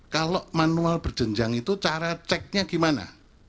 kalau manual berjenjang itu cara ceknya gimana